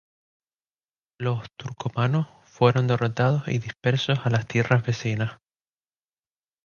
Los turcomanos fueron derrotados y dispersos a las tierras vecinas.